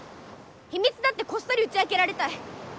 秘密だってこっそり打ち明けられたい。